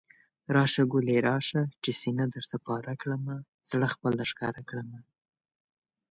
راشه ګلي راشه، چې سينه درته پاره کړمه، زړه خپل درښکاره کړمه